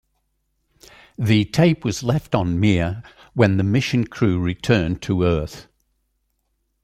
The tape was left on Mir when the mission crew returned to Earth.